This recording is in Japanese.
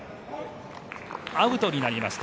アウトになりました。